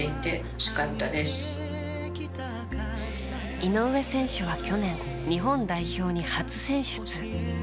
井上選手は去年日本代表に初選出。